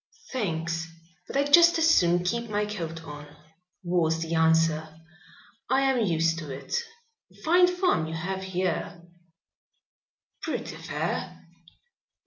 "Thanks, but I'd just as soon keep my coat on," was the answer. "I am used to it. Fine farm you have here." "Pretty fair."